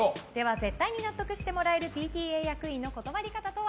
絶対に納得してもらえるＰＴＡ役員の断り方とは？